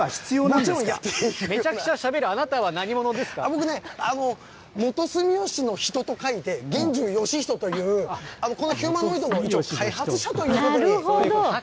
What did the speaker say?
めちゃくちゃしゃべる、あな僕ね、元住吉の人と書いて、元住吉人という、このヒューマノイドの開発者ということに。